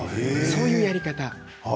そういうやり方です。